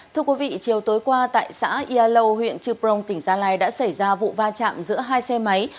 thưa quý vị chiều tối qua tại xã yalow huyện chuprong tỉnh gia lai đã xảy ra vụ va chạm giữa hai xe máy